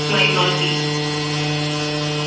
It might not be.